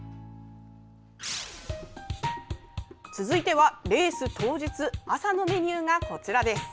続いては、レース当日朝のメニューがこちらです。